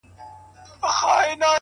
پرمختګ د دوامداره حرکت نوم دی,